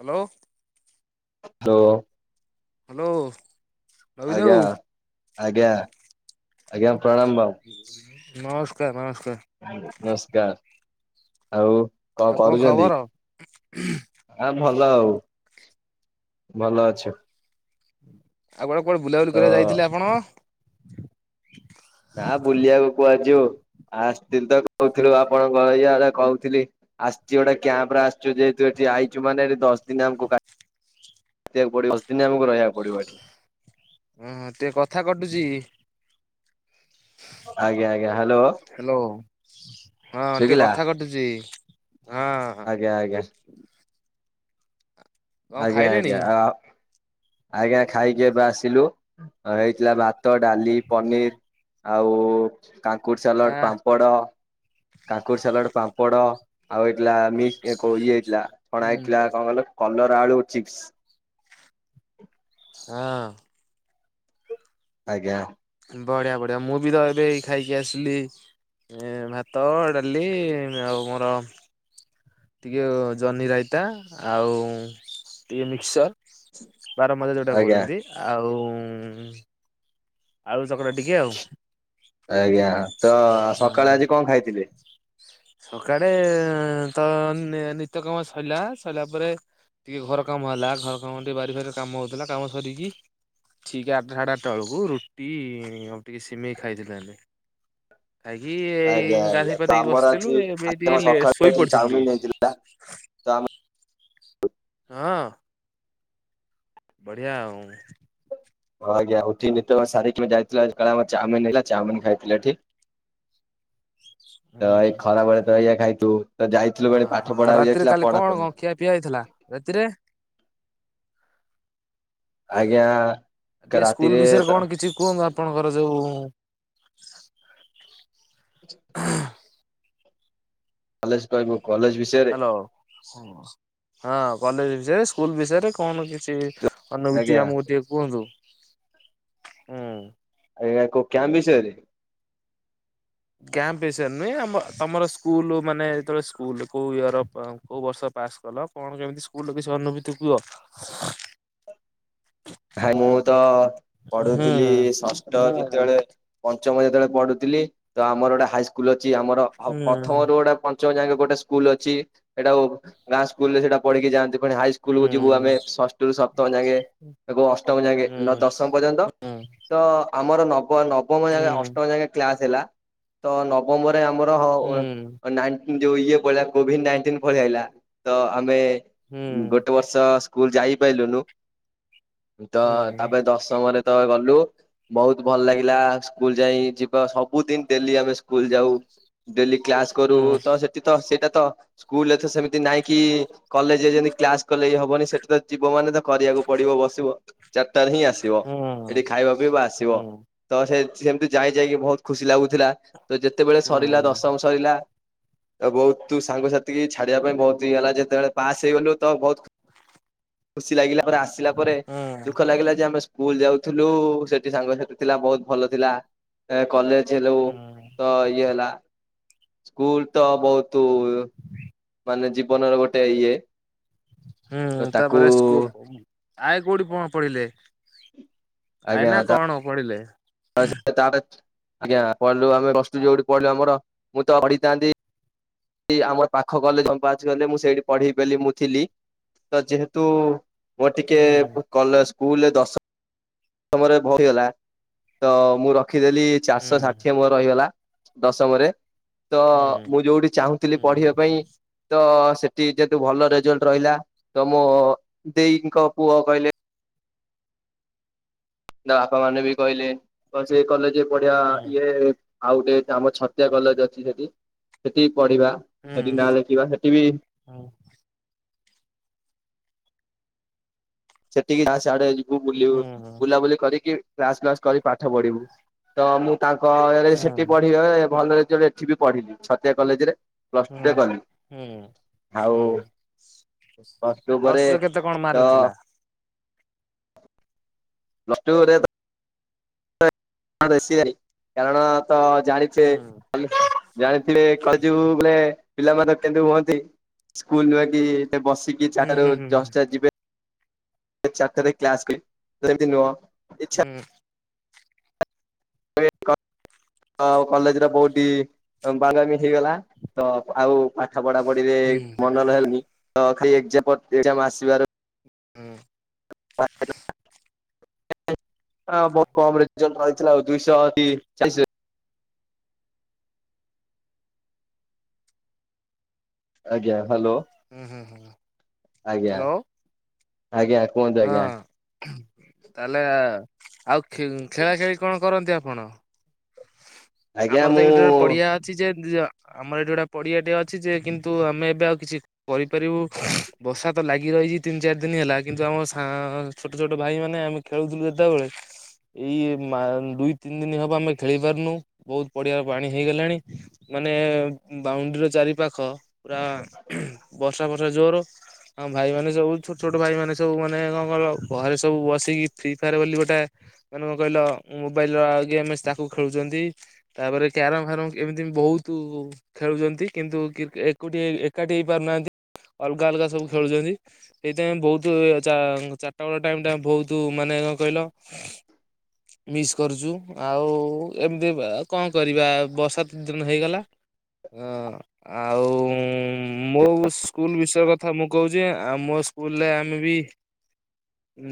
Hello. Hello. Hello ନବୀନ ବାବୁ ଆଜ୍ଞା ଆଜ୍ଞା। ପ୍ରଣାମ ବାବୁ ନମସ୍କାର ନମସ୍କାର ନମସ୍କାର ଆଉ କଣ ଆଉ କରୁଛନ୍ତି? ଖବର ଭଲ ଭଲ ଆଉ ଭଲ ଅଛୁ। ଆଉ କୁଆଡେ କୁଆଡେ ବୁଲାବୁଲି ତ କରିବା ଯାଇଥିଲେ ଆପଣ? ନା ବୁଲିବାକୁ କୁଆଡେ ଯିବୁ। ଆସିଥିଲି ତ କହୁଥିଲୁ ଆପଣ କଣ ଇଆଡେ କହୁଥିଲି ଆସିଛି ଗୋଟେ କ୍ୟାମ୍ପ ରେ ଆସିଛୁ ଯେହେତୁ ଏଠି ଆଇଛୁ ମାନେ ଦଶ ଦିନ ଆମକୁ କା [inaudible] ଆସିବାକୁ ପଡିବ ଦଶ ଦିନ ଆମକୁ ରହିବାକୁ ପଡିବ ଏଠି। ଉଁ ଟିକେ କଥା କଟୁଚି। ଆଜ୍ଞା ଆଜ୍ଞା ହ୍ୟାଲୋ ହ୍ୟାଲୋ ହଁ ଟିକେ ଶୁଭିଲା କଥା କଟୁଛି। ହଁ। ଆଜ୍ଞା ଆଜ୍ଞା। କଣ ଆଜ୍ଞା ଖାଇଲେଣି ଆଜ୍ଞା ଆଜ୍ଞା ଖାଇକିବେ ଆସିଲୁ ହେଇଥିଲା ଭା ଭାତ ଡାଲି ପନିର ଆଉ କାଙ୍କୁର ସାଲଡ଼ ଆଁ ପାମ୍ପଡ଼। କାକୁଡି ସାଲାଡ ପାମ୍ପଡ ଆଉ ମିକ୍ସ ଇଏ ଥିଲା ଛଣା ହେଇଥିଲା ହୁଁ କଣ କହିଲ କଲରା ଆଳୁ ଚିପ୍ସ। ହଁ। ଆଜ୍ଞା। ବଢିଆ ବଢିଆ ମୁଁ ବି ତ ଏବେ ଖାଇକି ଆସିଲି। ଏ ଭାତ ଡାଲି ଆଉ ମୋର ଟିକେ ଜହ୍ନି ରାଇତା ଆଉ ଟିକେ ମିକ୍ସର। ବାରମଜା ଯୋଉଟା ଆଜ୍ଞା କହୁଛନ୍ତି ଆଉ ଉଁ ଆଳୁ ଚକଟା ଟିକେ ଆଉ ଆଜ୍ଞା ତ ସକାଳେ ଆଜି କଣ ଖାଇଥିଲେ? ସକାଳେ ତ ନିତ୍ୟ କାମ ସରିଲା ସରିଲା ପରେ ଟିକେ ଘର କାମ ହେଲା ଘର କାମ ଟିକେ ବାରି ଫାରିରେ କାମ ହଉଥିଲା କାମ ସରିକି ଠିକ୍ ଆଠଟା ସାଢେ ଆଠଟା ବେଳକୁ ରୁଟି ଆଉ ଟିକେ ସିମେଇ ଖାଇଥିଲେ। ଯାଇକି ଏଇ ଆଜ୍ଞା ଆଜ୍ଞା ଗାଧୋଇ ତ ପାଧେଇେ କି ଆମର ବସ ଥିଲୁ ଆଜି ଏବେ ଆଜି ଆମ ଟିକେ ସକାଳେ ଶୋଇ ଏଠି ପଡିଥିଲୁ ଚାଉମିନ ଟିକେ। ହେଇଥିଲା ତ ଆମେ ହଁ। ବଢିଆ ଆଉ। ହ ଆଜ୍ଞା ଉଠିକି ନିତ୍ଯକର୍ମ ସାରି ଯାଇଥିଲୁ ଚାଉମିନ ହେଇଥିଲା ଚାଉମିିନ ଖାଇଥିଲେ ଏଠି। । ତ ଏଇ ଖରା ବେଳେ ତ ଏଇ ଖାଇ ତୁ। ତ ଯାଇଥିଲୁ ଓହୋ ବେଳେ ପାଠ ଆଉ ପଢାକୁ ରାତିରେ ଯାଇଥିଲା କାଲି ପଢା କଣ ପଢି। କଣ ଖିଆ ପିଆ ହେଇଥିଲା ରାତିରେ? ଆଜ୍ଞା ଟିକେ ସ୍କୁଲ ରାତିରେ ବିଷୟରେ ତ କଣ କିଛି କୁହନ୍ତୁ ଆପ ଆପଣଙ୍କର ଯୋଉ । ଭଲସେ କହିବୁ। କଲେଜ ବିଷୟରେ ହ୍ୟାଲୋ ହଁ କଲେଜ ବିଷୟରେ ସ୍କୁଲ ବିଷୟରେ କଣ କିଛି ଅନୁଭୂତି ଆଜ୍ଞା ଆମକୁ ଟିକେ କୁହନ୍ତୁ ହୁଁ। ଏରା କୋଉ କ୍ୟାମ୍ ବିଷୟରେ କ୍ୟାମ୍ପ ବିଷୟ ରେ ନୁହେଁ ଆମ ତମର ସ୍କୁଲ ମାନେ ଯେତେବେଳେ ସ୍କୁଲ କୋଉ ଇର କୋଉ ବର୍ଷ ପାସ୍ କଲ କଣ କେମିତି ସ୍କୁଲ କିଛି ଅନୁଭୂତି କୁହ? ହାଇଁ ମୁଁ ତ ହୁଁ ପଢୁଥିଲି ଷଷ୍ଠ ଯେତେବେଳେ ପଞ୍ଚମ ଯେତେବେଳେ ପଢୁଥିଲି ତ ଆମର ଗୋଟେ ହାଇସ୍କୁଲ ଅଛି ଆମର ହୁଁ ପ୍ରଥମ ରୁ ଗୋଟେ ପଞ୍ଚମ ଯାଏ। ଗୋଟେ ସ୍କୁଲ ଅଛି ସେଇଟା ଗାଁ ସ୍କୁଲ ରେ ସେଇଟା ପଢିକି ଯାଆନ୍ତି। ହୁଁ ହାଇସ୍କୁଲକୁୁ ଯିବୁ ଆମେ ଷଷ୍ଠରୁ ସପ୍ତମ ଯାଙ୍ଗେ। ଅଷ୍ଟମ ଯାକେ ହୁଁ ଦଶମ ପର୍ଯ୍ୟନ୍ତ ତ ଆମର ନ ନବମ ହୁଁ ହୁଁ ହୁଁ ହୁଁ ଯାକେ ଅଷ୍ଟମ ଯାକେ କ୍ଲାସ୍ ହେଲା ତ ନବମରେ ଆମର ହୁଁ ହୁଁ ନାଇଁନ୍‌ ଯୋଉ ଇଏ ପିଲ କୋଭିଡ ନାଇଣ୍ଟିନ ଭଳିଆ ହେଇଲା ତ ଆମେ ଗୋଟେ ବର୍ଷ ସ୍କୁଲ ଯାଇପାରିଲୁନୁ। ତ ହୁଁ ହୁଁ ତାପରେ ଦଶମରେ ତ ଗଲୁ। ବହୁତ ଭଲ ଲାଗିଲା ସ୍କୁଲ ଯାଇ ଯିବା ସବୁଦିନ ଡେଲି ଆମେ ସ୍କୁଲ ଯାଉ ଡେଲି କ୍ଲାସ କରୁ ତ ସେଠି ତ ସେଇଟା ତ ସ୍କୁଲରେ ତ ସେମିତି ନାଇଁ କି କଲେଜ ଯେମିତି କ୍ଲାସ କଲେ ହବନି ସେଠି ତ ଜୀବ ମାନେ ତ କରିବାକୁ ପଡିବ ବସିବ ଚାରିଟାରେ ହିଁ ଆସିବ ଏଠି ହୁଁ ଖାଇବା ପିଇବା ଆସିବ ତ ସେ ସେମିତି ଯାଇ ଯାଇକି ବହୁତ ଖୁସି ଲାଗୁଥିଲା ତ ଯେତେବେଳେ ହୁଁ ସରିଲା ହୁଁ ଦଶମ ସରିଲା। ଆଉ ବହୁତ ତୁ ସାଙ୍ଗସାଥି କି ଛାଡିବା ପାଇଁ ବହୁତ ଇଏ ହେଲା ଯେତେବେଳେ ପାସ୍ ହେଇଗଲୁ ତ ବହୁତ ଖୁସି ଲାଗିଲା ପରେ ଆସିଲା ପରେ ଦୁଃଖ ଲାଗିଲା ଯେ ଆମେ ସ୍କୁଲ ଯାଉଥିଲୁ ସେଠି ସାଙ୍ଗ ସାଥି ଥିଲା ବହୁତ ଭଲ ଥିଲା। ଏ କଲେଜ ସେ ଯୋଉ ତ ଇଏ ହେଲା ସ୍କୁଲ ତ ବହୁତୁ ମାନେ ଜୀବନର ଗୋଟେ ଇଏ। ହୁଁ ତ ହୁଁ ତାକୁ ତାପରେ ସ୍କୁ ଆଏ କୋଉଠିକଣ ପଢିଲେ। ଆଏ ନା କଣ ପଢିଲେ? ଆଉ ସେ ତାର ଆଜ୍ଞା ପଢିଲୁ। ଆମେ ପ୍ଲସଟୁ ଯୋଉଠି ପଢ଼ିଲୁ ଆମର ମୁଁ ତ ପଢିଥାନ୍ତି। ଏ ଆମର ପାଖ କଲେଜ ରେ ଫାଙ୍କା ଅଛି ବଲେ ମୁଁ ସେଇଠି ପଢିିବ ବେଲି ମୁଁ ଥିଲି। ତ ଯେହେତୁ ମୋ ଟିକେ ହୁଁ କଲସ୍ ସ୍କୁଲରେ ଦଶମ ସମୟରେ ଭୟ ହେଲା ତ ମୁଁ ର ରଖିଦେଲି ଚାରିଶହ ହୁଁ ଷାଠିଏ ମୋର ରହିଗଲା ଦଶମରେ ତ ପ୍ଲସ ମୁଁ ଯୋଉଠି ଚାହୁଁଥିଲି ପଢିବା ପାଇଁ ତ ସେଠି ଯେହେତୁ ଭଲ ରେଜଲ୍ଟ ରହିଲା ତ ମୋ ଦେଇଙ୍କ ପୁଅ କହିଲେ ତା ବାପା ମାନେ ବି କହିଲେ କଣ ସେ ଏ କଲେଜ୍ ରେ ପଢିବା ଇଏ ଆଉ ଗୋଟେ ଆମର ଛତିଆ କଲେଜ ଅଛି ସେଠି। ସେଠି ପଢିବା ସେଠି ନାଁ ଲେଖିବା ସେଠି ବି ସେଠିକି ଯା ସିଆଡେ ଯିବୁ ବୁଲିବୁ ବୁଲାବୁଲି କରିକି କ୍ଲାସ ଫ୍ଲାସ୍ କରି ପାଠ ପଢିବୁ ତ ମୁଁ ତାଙ୍କ ୟେରେ ସେଠି ପଢିଲେ ଭଲ ରେଜଲଟ୍ ଏଠି ବି ପଢିବି ଛତିଆ କଲେଜରେ। ପ୍ଲସ ଟୁ ହୁଁ ରେ କଲି ହୁଁ ଆଉ ହୁଁ। ପ୍ଲସ ଟୁ ପରେ ପ୍ଲସଟୁ ରେ କେତେ କଣ ତ ମାର୍କ ଥିଲା? ପ୍ଲସଟୁ ରେ ତ ହଁ ରେଷି ଗାରି କାରଣ ତ ଜାଣିଥିବେ ହୁଁ ଜାଣିଥିବେ କଲ ଯିବୁ ଗଲେ ପିଲାମାନେ କେମିତି ହୁଅନ୍ତି। ସ୍କୁଲ ଯାଇକି ବସିକି ଚାରଟା ରୁ ହୁଁ ହୁଁ ଜଶଟା ଯିବେ। ଚାରଟା ରେ କ୍ଲାସ କି ଏମତି ନୁହଁ। ଇଚ୍ଛା ହୁଁ। [unintelligible] ଆଉ କଲେଜ ର ବୋହୁଟି ଅ ବାଇନାମିକ୍ ହେଇଗଲା ତ ଆଉ ପାଠ ପଢା ପଢିରେ ହୁଁ ହୁଁ ମନ ଲାଲଗୁନି ତ ଖାଲି ଏକଜାମ ପର୍ ଏକଜାମ ଆସିବାର ହୁଁ। ହଁ ବହୁତ କମ୍ ରେଜଲ୍ଟ ରହିଥିଲା ଆଉ ଦୁଇଶହ ତି ଚାଳିଶି ଆଜ୍ଞା। ହ୍ୟାଲୋ ହୁଁ ହୁଁ ହୁଁ ଆଜ୍ଞା ହାଲୋ। ଆଜ୍ଞା କୁହନ୍ତୁ ହଁ ଆଜ୍ଞା ତାଆଲେ ଆଉ ଖେ ଖେଳା ଖେଳି କଣ କରନ୍ତି ଆପଣ? ଆଜ୍ଞା ଆମର ତ ମୁଁ ଏଇଟିରେ ପଡିଆ ଅଛି ଯେ ଯିଅ ଆମର ଏଠି ଗୋଟେ ପଡ଼ିଆଟେ ଅଛି ଯେ କିନ୍ତୁ ଆମେ ଏବେ ଆଉ କିଛି କରିପାରିବୁ ବର୍ଷା ତ ଲାଗି ରହିଚି ତିନି ଚାରି ଦିନ ହେଲା କିନ୍ତୁ ଆମ ସାଙ୍ଗ୍ ଛୋଟ ଛୋଟ ଭାଇ ମାନେ ଆମେ ଖେଳୁଥିଲୁ ଯେତବେଳେ ଏଇ ମା ଦୁଇ ତିନି ଦିନ ହବ ଆମେ ଖେଳି ପାରୁନୁ। ବହୁତ ପଡିଆ ପାଣି ହେଇଗଲାଣି ମାନେ ବାଉଣ୍ଡ୍ରିର ଚାରି ପାଖ। ପୁରା ବର୍ଷା ବର୍ଷା ଜୋର। ହଁ ଭାଇ ମାନେ ସବୁ ଛୋଟ ଛୋଟ ଭାଇ ମାନେ ସବୁ ମାନେ କଣ କହିଲ ଘରେ ସବୁ ବସିକି ଫ୍ରି ଫାୟାର ବୋଲି ଗୋଟାଏ ମାନେ କଣ କହିଲ ମୋବାଇଲ ର ଗେମ୍ ଅଛି ତାକୁ ଖେଳୁଚନ୍ତି। ତାପରେ କ୍ୟାରମ ଫାରମ୍ ଏମିତି ବି ବହୁତୁ ଖେଳୁଚନ୍ତି କିନ୍ତୁ କ୍ରିକେ ଏକୁଟିଆ ଏକାଠି ହେଇପାରୁନାହାନ୍ତି। ଅଲଗା ଅଲଗା ସବୁ ଖେଳୁଚନ୍ତି ସେଇଥିପାଇଁ ବହୁତୁ ଇଏ ଚା ଚାରିଟା ବେଳ ଟାଇମ୍ ଟା ବହୁତ ମାନେ କଣ କହିଲ ମିସ୍ କରୁଚୁ ଆଉ ଏମ୍ ଚି ଆଉ କଣ କରିବା ବର୍ଷା ଦି ଦିନ ହେଇଗଲା। ହଁ ଆଉ ମୋ ସ୍କୁଲ ବିଷୟ କଥା ମୁଁ କହୁଛି ଆମ ସ୍କୁଲରେ ଆମେ ବି ଉ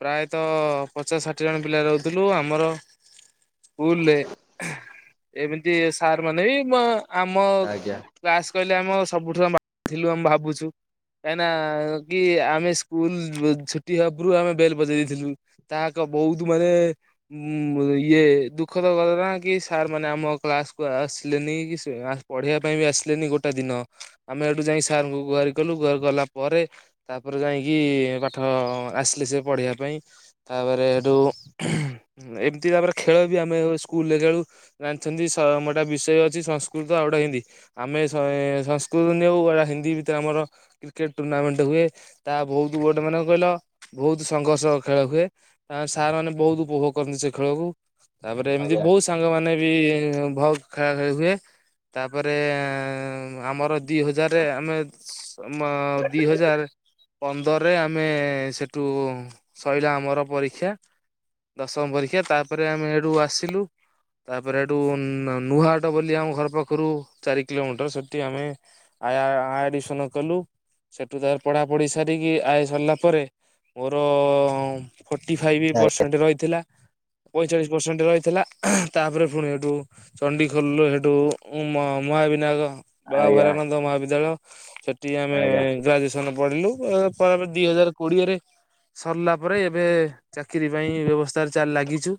ପ୍ରାୟତଃ ପଚାଶ ଷାଠିଏ ଜଣ ପିଲା ରହୁଥିଲୁ ଆମର ସ୍କୁଲଲେ ଏମିତି ସାର ମାନେ ବି ମ ଆମ ଆଜ୍ଞା କ୍ଲାସ କହିଲେ ଆମ ସବୁଠୁ [unintelligible] ଥିଲୁ ଆମେ ଭାବୁଛୁ। କାହିଁନା ନା କି ଆମେ ସ୍କୁଲ ଛୁଟି ହବରୁ ଆମେ ବେଲ ବଜେଇ ଦେଇଥିଲୁ। ତାହା କ ବହୁତ ମାନେ ଉ ଇଏ ଦୁଃଖ ତ ଘଟଣା କି ସାର୍ ମାନେ ଆମ କ୍ଲାସକୁୁ ଆସିଲେନି, କି ସ ପଢେଇବା ପାଇଁ ବି ଆସିଲେନି ଗୋଟେ ଦିନ ଆମେ ଏଠୁ ଯାଇ ସାରଙ୍କୁ ଗୁହାରି କଲୁ, ଗୁହାରି କଲା ପରେ ତାପରେ ଯାଇକି ପାଠ ହଁ ଆସିଲେ ସେ ପଢିବା ପାଇଁ । ତାପରେ ହେଠୁ ଏମିତି ତାପରେ ଖେଳ ବି ଆମେ ସ୍କୁଲରେ ଖେଳୁ ।ଜାଣିଛନ୍ତି ସ ମୋଟା ବିଷୟ ଅଛି ସଂସ୍କୃତ ଆଉ ଗୋଟେ ହିନ୍ଦୀ ଆମେ ଏ ସଂସ୍କୃତ ନିଆଉ ଗଡ଼ା ହିନ୍ଦୀ ବି ତ ଆମର କ୍ରିକେଟ୍ ଟୁର୍ଣ୍ଣାମେଣ୍ଟ ହୁଏ। ତାହା ବହୁତ ଗୋଟେ ମାନେ କ କହିଲ ବହୁତ ସଂଘର୍ଷ ଖେଳ ହୁଏ। ତା ସାର୍ ମାନେ ବହୁତ ଉପଭୋଗ କରନ୍ତି ସେ ଖେଳକୁ। ତାପରେ ଏମିତି ଆଜ୍ଞା ବହୁତ ସାଙ୍ଗ ମାନେ ବି ଭ ଖେଳା ଖେଳି ହୁଏ। ତାପରେ ଆମର ଦି ହଜାରରେ ଆମେ ଅ ମ ଦି ହଜାର। ପନ୍ଦରରେ ଆମେ ସେଠୁ ସଇଲା ଆମର ପରୀକ୍ଷା। ଦଶମ ପରୀକ୍ଷା ତାପରେ ଆମେ ହେଠୁ ଆସିଲୁ। ତାପରେ ହେଠୁ ନୂଆ ହାଟ ବୋଲି ଆମ ଘର ପାଖରୁ ଚାରି କିଲୋମିଟର ସେଠି ଆମେ ଆ ଆଡିମିସନ କଲୁ। ସେଠୁ ତାପରେ ପଢ଼ାପଢ଼ି ସାରିକି, ଆଇ ସରିଲା ପରେ ମୋର ଫୋର୍ଟି ଫାଇଭ୍ ପରସେଣ୍ଟ ରହିଥିଲା। ପଇଁଚାଳିଶ ପର୍ଶେଣ୍ଟ ରହିଥିଲା ।ତାପରେ ପୁଣି ହେଠୁ ଚଣ୍ଡି ଖୋଲରେ ହେଠୁ ମହାବିନାୟକ ବାବା ଆଜ୍ଞା ଭୈରାନନ୍ଦ ମହାବିଦ୍ୟାଳୟ, ସେଠି ଆମେ ଆଜ୍ଞା ଗ୍ରାଜୁଏସନ ପଢିଲୁ ଅ ଆମେ ଦି ହଜାର କୋଡିଏରେ ସରିଲା ପରେ ଏବେ ଚାକିରି ପାଇଁ ବ୍ୟବସ୍ଥା ଚା ଲାଗିଛୁ।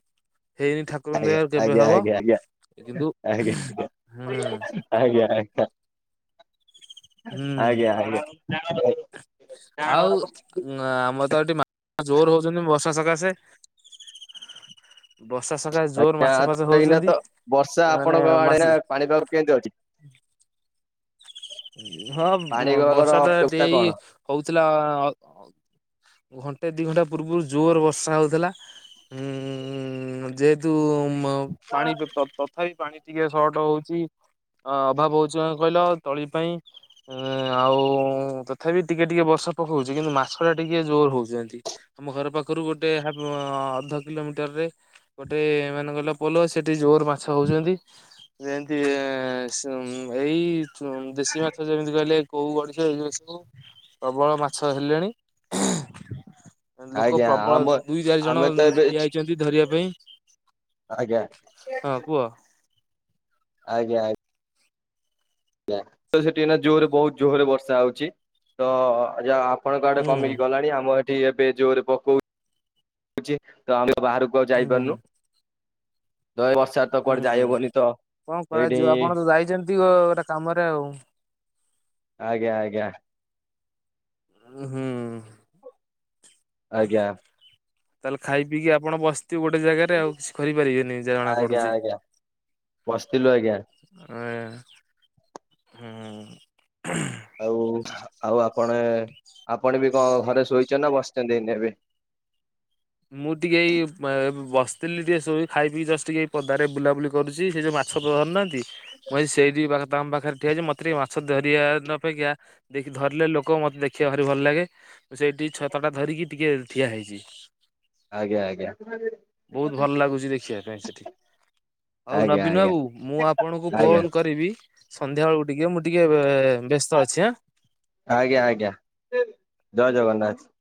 ହେଇନି ଆଜ୍ଞା ଠାକୁରଙ୍କ ଦୟାରୁ ଆଜ୍ଞା କେବେ ହବ ଆଜ୍ଞା କିନ୍ତୁ ଆଜ୍ଞା। [inaudible] ଆଜ୍ଞା ହୁଁ ଆଜ୍ଞା ଆଜ୍ଞା ଆଜ୍ଞା। ଆଜ୍ଞା ହୁଁ ଆଜ୍ଞା । ଆଉ ଗନ୍ ଆମର ତ ଏଠି ଜୋର ହଉଛନ୍ତି ବର୍ଷା ସକାଶେ। [inaudible] ବର୍ଷା ସକାଶେ ଜୋର ଆଜ୍ଞା ମାଛ ତ ଫାଛ ଏଇନା ତ ହଉଛନ୍ତି। ବର୍ଷା ମାନେ ଆପଣଙ୍କ ଆଡେ ନା ମାଛ [inaudible] ପାଣିପାଗ କେମିତି ଅଛି? ଉ ହଁ ପାଣିପାଗର ବର୍ଷା ଟା ଟି ଅବସ୍ଥା ଏଇ କଣ? ହଉଥିଲା ଅ ଘ ଣ୍ଟେ ଦି ଘଣ୍ଟା ପୂର୍ବରୁ ଜୋର ବର୍ଷା ହଉଥିଲା। ଉଁ ଯେହେତୁ ଉଁ ପାଣି ତଥାପି ପାଣି ଟିକେ ସର୍ଟ ହଉଛି ଅଭାବ ହଉଛି କଣ କହିଲ ତଳି ପାଇଁ ଏ ଆଉ ତଥାପି ଟିକେ ଟିକେ ବର୍ଷା ପକଉଛି। କିନ୍ତୁ ମାଛ ଟା ଟିକେ ଯୋ ରେ ହଉଛନ୍ତି, ଆମ ଘର ପାଖରୁ ଗୋଟେ ହାପ ଅଧ କିଲୋମିଟରରେ ଗୋଟେ ମାନେ କ ଲ ପୋଲ ସେଠି ଜୋର ମାଛ ହଉଛନ୍ତି। ଯେମତି ଏ ସେ ଏଇ ଚୁ ଦେଶୀ ମାଛ ଯେମିତି କହିଲେ କୋଉ ଗଡ଼ିଶ ଏ ଯୋଉ ସବୁ ପ୍ରବଳ ମାଛ ହେଲେଣି। ଲୋକ ଆଜ୍ଞା ପ୍ରବଳ, ଆମ ଦୁଇ ଚାରି ଜଣ ଆମେ ତ ଏବେ ଠିଆ ହେଇଛନ୍ତି ଧରିବା ପାଇଁ। ଆଜ୍ଞା ହଁ । କୁହ। [inaudible] ଆଜ୍ଞା ଆ ଜ୍ଞା ତ ସେଠି ଏନା ଜୋରେ ବହୁତ ଜୋହରେ ବର୍ଷା ହଉଛି। ତ ଯ ଆ ଆପଣଙ୍କ ଆଡେ ହୁଁ କମିକି ଗଲାଣି! ଆମ ଏଠି ଏବେ ଜୋରେ ପକଉ ଛି ତ ଆମେ ବାହାରକୁ ଆଉ ହୁଁ ଯାଇପାରୁନୁ। ତ ଏ ବର୍ଷାରେ ତ କୁଆଡେ ହୁଁ ଯାଇହବନି ତ କଣ ଏଇଠି କରାଯିବ ଆପଣ ତ ଯାଇଛନ୍ତି, ଓ ଗୋଟେ କାମରେ ଆଉ। ଆଜ୍ଞା ଆଜ୍ଞା। ଉ ହୁଁ। ଆଜ୍ଞା। ତାହେଲେ ଖାଇ ପିଇକି ଆପଣ ବସି ଗୋଟେ ଜାଗାରେ ଆଉ କିଛି କରିପାରିବେନି ଯାହା ଜଣା ଆଜ୍ଞା ପଡୁଛି ଆଜ୍ଞା ବସିଥିଲୁ ଆଜ୍ଞା। ହୁଁ। ଆଉ ଆଉ ଆପଣ ଆପଣ ବି କଣ ଘରେ ଶୋଇଛନ୍ତି ନା ବସିଛନ୍ତି ଏଇନେ ଏବେ ହ [inaudible] ମୁଁ ଟିକେ ବସିଥିଲି ଟିକେ ଶୋଇ ଖାଇ ପି ଜଷ୍ଟ ଟିକେ ପଦାରେ ବୁଲାବୁଲି କରୁଛି ସେ ଯୋଉ ମାଛ ଧରିନାହାନ୍ତି ମୁଁ ସେଇଠି ତାଙ୍କ ପାଖରେ ଠିଆ ହୋଇଛି ମତେ ଟିକେ ମାଛ ଧରିବା ଅପେକ୍ଷା ଧରିଲେ ଲୋକ ମତେ ଦେଖିବା ଭାରି ଭଲ ଲାଗେ ମୁଁ ସେଇଠି ଛତାଟା ଧରିକି ଟିକେ ଠିଆ ହେଇଛି ଆଜ୍ଞା ଆଜ୍ଞା ବହୁତ ଭଲ ଲାଗୁଛି ଦେଖିବା ପାଇଁ ସେଠି ହଉ ଆଜ୍ଞା ନବୀନ ଆଜ୍ଞା ବାବୁ ମୁଁ ଆପଣଙ୍କୁ ଆଜ୍ଞା ଫୋନ କରିବି ସନ୍ଧ୍ୟା ବେଳକୁ ଟିକେ ମୁଁ ଟିକେ ବ୍ୟସ୍ତ ଅଛି ଆଁ। ଆଜ୍ଞା ଆଜ୍ଞା ଜୟ ଜଗନ୍ନାଥ।